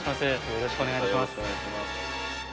よろしくお願いします。